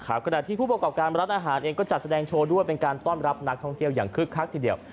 ขณะที่ผู้ประกอบการร้านอาหารเองก็จัดแสดงโชว์ด้วยเป็นการต้อนรับนักท่องเที่ยวอย่างคึกคักทีเดียว